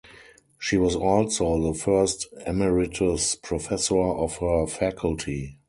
She was also the first emeritus professor of her faculty.